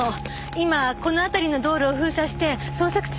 今この辺りの道路を封鎖して捜索中よ。